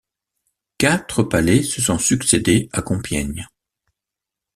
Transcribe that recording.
Quatre palais se sont succédé à Compiègne.